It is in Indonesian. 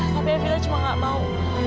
tapi evita cuma gak mau